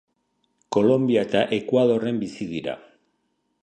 Kolonbia eta Ekuadorren bizi dira.